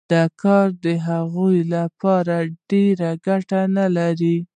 دا کار د هغوی لپاره ډېره ګټه نلري